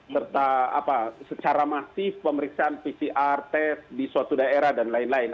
serta secara masif pemeriksaan pcr test di suatu daerah dan lain lain